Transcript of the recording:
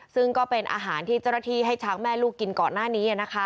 ซึ่งก็เป็นอาหารที่เจ้าหน้าที่ให้ช้างแม่ลูกกินก่อนหน้านี้